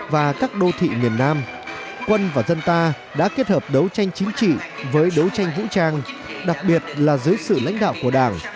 và các đô thị miền nam quân và dân ta đã kết hợp đấu tranh chính trị với đấu tranh vũ trang đặc biệt là dưới sự lãnh đạo của đảng